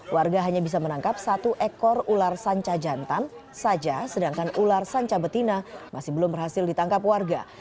warga hanya bisa menangkap satu ekor ular sanca jantan saja sedangkan ular sanca betina masih belum berhasil ditangkap warga